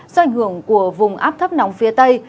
do ảnh hưởng của vùng áp thấp nóng phía tây